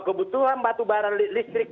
kebutuhan batubara listrik